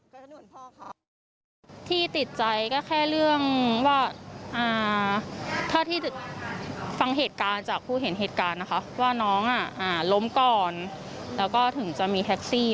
หนูถามใจว่ามากจะทำยังไงไงม้าจะทำยังไงเองแบบนี้